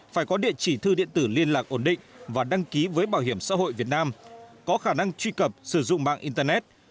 phải có địa chỉ thư điện tử liên lạc ổn định và đăng ký với bảo hiểm xã hội việt nam có khả năng truy cập sử dụng mạng internet